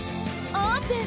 オープン！